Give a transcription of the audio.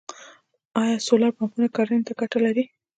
آیا سولر پمپونه کرنې ته ګټه لري؟